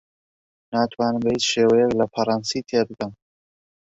ناتوانم بە هیچ شێوەیەک لە فەڕەنسی تێبگەم.